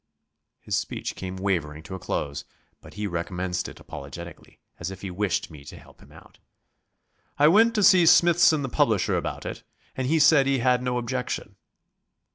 His speech came wavering to a close, but he recommenced it apologetically as if he wished me to help him out. "I went to see Smithson the publisher about it, and he said he had no objection...."